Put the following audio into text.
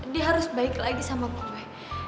dia harus baik lagi sama gue